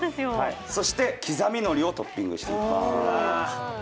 そして刻みのりをトッピングしていきます。